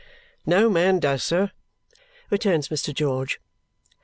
"No man does, sir," returns Mr. George.